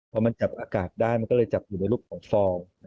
พอมันจับอากาศได้มันก็เลยจับอยู่ในรูปของฟอง